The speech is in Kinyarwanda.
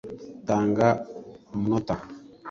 tanga umunota